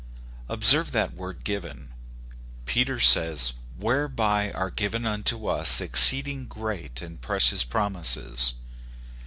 BSERVE that word ''givenr Peter says, " Whereby are given unto us ex ceeding great and precious promises."